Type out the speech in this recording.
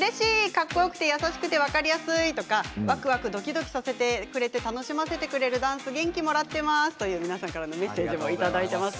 かっこよくて楽しくて分かりやすくてわくわくドキドキさせて楽しませてくれるダンス元気をもらっていますという皆さんからのメッセージをいただいています。